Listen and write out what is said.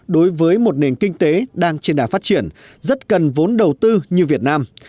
đối với một nền kinh tế đang trên đà phát triển rất cần vốn đầu tư như việt nam